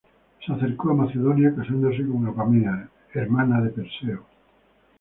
Se acercó a Macedonia casándose con Apamea, hermana de Perseo.